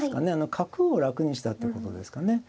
角を楽にしたってことですかね。